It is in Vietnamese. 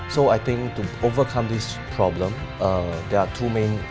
đó là số phận